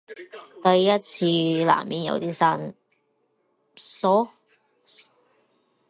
第一次難免有啲生澀